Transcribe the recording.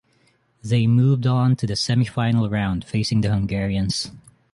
They moved on to the semifinal round, facing the Hungarians.